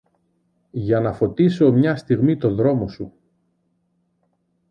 Για να φωτίσω μια στιγμή το δρόμο σου